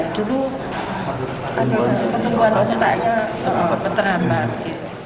dulu ada penemuan otaknya beteraan banget